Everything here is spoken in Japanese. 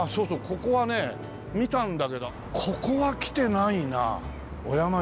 ここはね見たんだけどここは来てないな尾山神社。